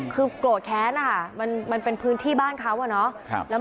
คือโกรธแค้นนะคะมันเป็นพื้นที่บ้านเขาอะเนาะ